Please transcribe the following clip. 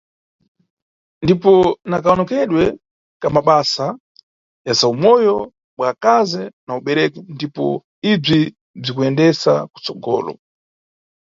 Ndipo na kawonekedwe ka mabasa ya zawumoyo bwa akazi na ubereki ndipo ibzi bzikuyendesa kutsogolo.